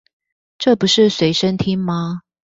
這不是隨身聽嗎